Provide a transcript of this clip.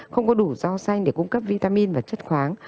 không có đủ rau xanh để cung cấp vitamin và chất khoáng